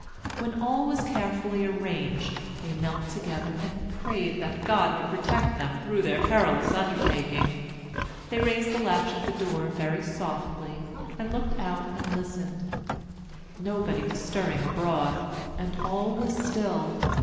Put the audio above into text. When all was carefully arranged, they knelt together and prayed that God would protect them through their perilous undertaking. They raised the latch of the door very softly, and looked out and listened. Nobody was stirring abroad, and all was still.